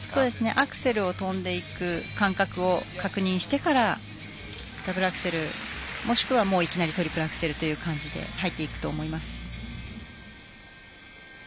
アクセルを跳んでいく感覚を確認してからダブルアクセルもしくはいきなりトリプルアクセルという感じで入っていくと思います。